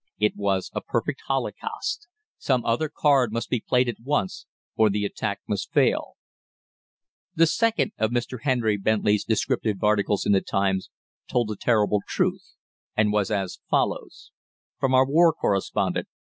"It was a perfect holocaust. Some other card must be played at once, or the attack must fail." The second of Mr. Henry Bentley's descriptive articles in the "Times" told a terrible truth, and was as follows: "(From our War Correspondent.)